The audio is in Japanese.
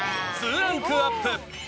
２ランクアップ。